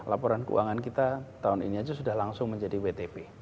laporan keuangan kita tahun ini aja sudah langsung menjadi wtp